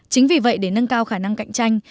chính vì vậy để nâng cao khả năng cạnh tranh